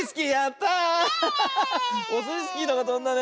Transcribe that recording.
オスイスキーのがとんだね。